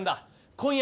今夜？